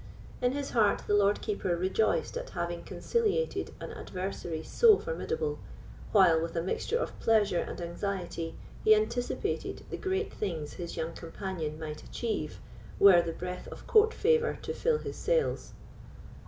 In his heart the Lord Keeper rejoiced at having conciliated an adversary so formidable, while, with a mixture of pleasure and anxiety, he anticipated the great things his young companion might achieve, were the breath of court favour to fill his sails.